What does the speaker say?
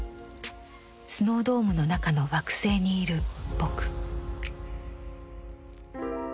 スノードームの中の惑星にいる「ぼく」。